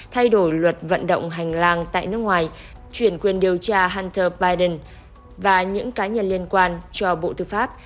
thay đổi luật vận động hành lang tại nước ngoài chuyển quyền điều tra hunter biden và những cá nhân liên quan cho bộ tư pháp